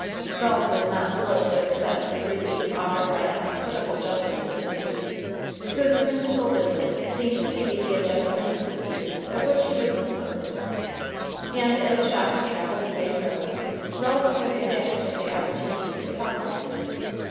Ralph was not slow to accept the relief offered by the hospitable justice of the peace, whose principal business seemed to be the adjustment of the pieces of which he was composed. And as Shocky traveled the same road, Ralph took advantage of the opportunity to talk with him.